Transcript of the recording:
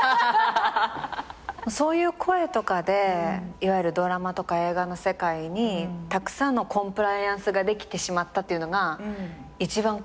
そういう声とかでいわゆるドラマとか映画の世界にたくさんのコンプライアンスができてしまったっていうのが一番悔しいです。